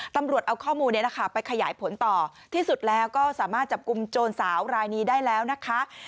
ตำรวจเอาข้อมูลนี้แหละค่ะไปขยายผลต่อที่สุดแล้วก็สามารถจับกลุ่มโจรสาวรายนี้ได้แล้วนะคะ